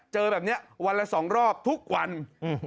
แบบเนี้ยวันละสองรอบทุกวันอืม